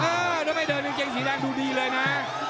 อือมันไม่เดินลิตรภงสีแดงดูดีเลยนะ